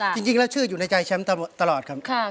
จริงแล้วชื่ออยู่ในใจฉันไปตลอด